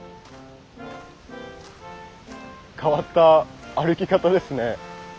変わった歩き方ですね。